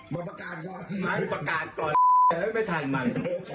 แล้วพูดง่ายบอกประกาศก่อนไม่ประกาศก่อนไม่ทันมัน